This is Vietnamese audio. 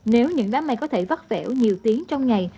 nếu những đám mây có thể vắt vẻo nhiều tiếng trong ngày